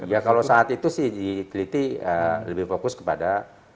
ya kalau saat itu sih diteliti lebih fokus kepada